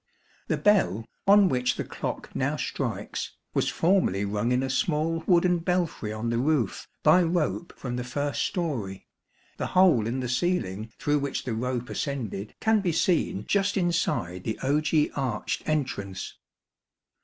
The bell, on which the clock now strikes, was formerly rung in a small wooden belfry on the roof by rope from the first storey ; the hole in the ceiling through which the rope ascended, can be seen just inside the ogee arched entrance.